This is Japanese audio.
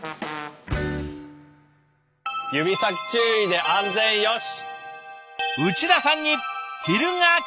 指先注意で安全よし！